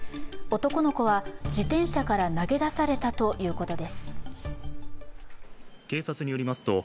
男の子は自転車から投げ出されたということです。